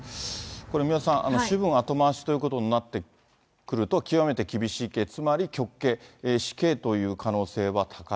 これ、三輪さん、主文、後回しということになってくると、極めて厳しい刑、つまり極刑、死刑という可能性は高い。